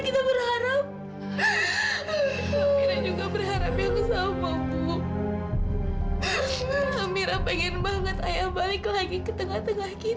sampai jumpa di video selanjutnya